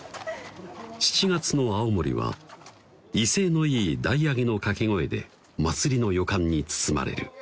７月の青森は威勢のいい台上げの掛け声で祭りの予感に包まれる